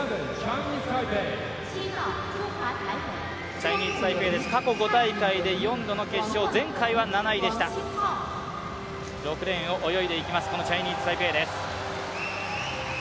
チャイニーズ・タイペイです、過去５大会で４度の決勝、前回は７位でした、６レーンを泳いでいきます、チャイニーズ・タイペイです。